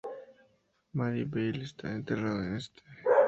Mary Beale está enterrada en St.